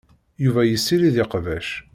Yuba yessirid iqbac.